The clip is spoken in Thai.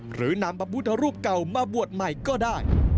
หรือนำพระพุทธรูปเก่ามาบวชใหม่ก็ได้